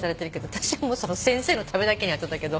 私はその先生のためだけにやってたけど。